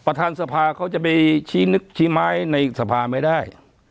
ประธานสภาเขาจะไปชี้นึกชี้ไม้ในสภาไม่ได้